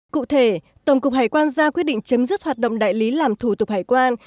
cụ thể tổng cục hải quan ra quyết định chấm dứt hoạt động đại lý làm thủ tục hải quan